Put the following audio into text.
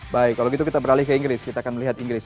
baik kalau gitu kita beralih ke inggris kita akan melihat inggris